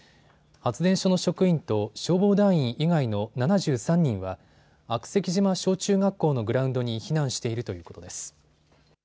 発電所の職員と消防団員以外の７３人は悪石島小中学校のグラウンドに避難しているということです。